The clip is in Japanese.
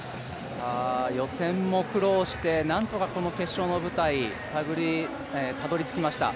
予選も苦労してなんとか決勝の舞台、たどり着きました。